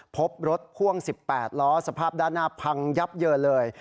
พบรถพ่วง๑๘ล้อสภาพด้านหน้าพังยับเยินเลย